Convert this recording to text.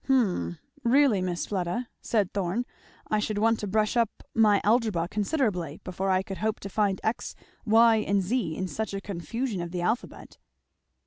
"Hum really, Miss Fleda," said Thorn, "I should want to brush up my Algebra considerably before I could hope to find x, y, and z in such a confusion of the alphabet."